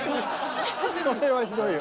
［これはひどいよ］